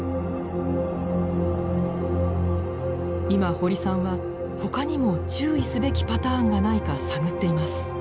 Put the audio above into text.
今堀さんはほかにも注意すべきパターンがないか探っています。